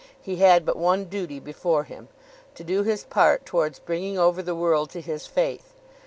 He had but one duty before him, to do his part towards bringing over the world to his faith.